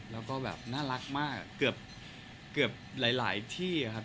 แล้วก็แบบน่ารักมากเกือบหลายที่ครับ